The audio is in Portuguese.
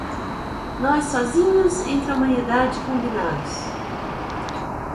Nós sozinhos, entre a humanidade, combinados